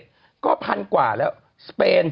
พี่เราหลุดมาไกลแล้วฝรั่งเศส